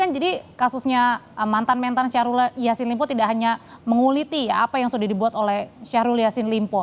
jadi kasusnya mantan mantan syahrul yassin limpo tidak hanya menguliti apa yang sudah dibuat oleh syahrul yassin limpo